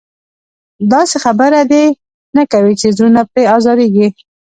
داسې خبره دې نه کوي چې زړونه پرې ازارېږي.